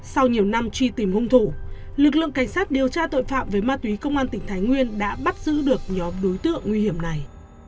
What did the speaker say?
sau nhiều năm truy tìm hung thủ lực lượng cảnh sát điều tra tội phạm về ma túy công an tỉnh thái nguyên đã bắt giữ được nhóm đối tượng nguy hiểm này